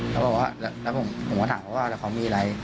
แล้วผมก็ถามเขาว่าแต่เขามีอะไร